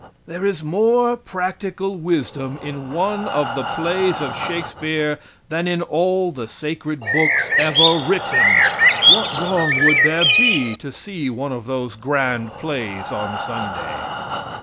There is more practical wisdom in one of the plays of Shakespeare than in all the sacred books ever written. What wrong would there be to see one of those grand plays on Sunday?